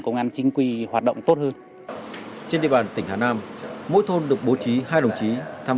công an chính quy hoạt động tốt hơn trên địa bàn tỉnh hà nam mỗi thôn được bố trí hai đồng chí tham